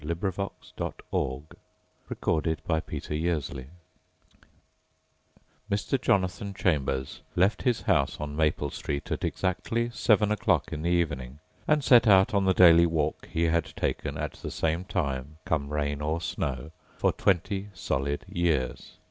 SIMAK and CARL JACOBI Mr. Jonathon Chambers left his house on Maple Street at exactly seven o'clock in the evening and set out on the daily walk he had taken, at the same time, come rain or snow, for twenty solid years.